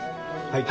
はい。